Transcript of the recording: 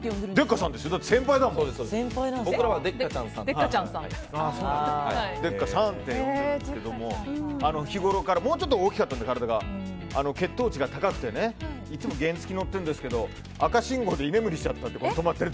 デッカさんって呼んでるんですけど日ごろから体がもうちょっと大きかったんで血糖値が高くていつも原付き乗ってるんですけど赤信号で居眠りしちゃったって。